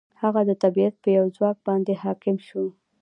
هغه د طبیعت په یو ځواک باندې حاکم شو.